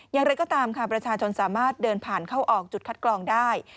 อย่างไรก็ตามค่ะประชาชนสามารถเดินผ่านเข้าออกจุดคัดกรองได้